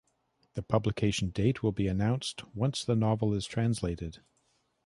The publication date will be announced once the novel is translated.